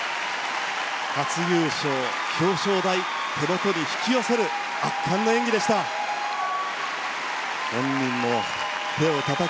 初優勝、表彰台をその手に引き寄せる圧巻の演技でした。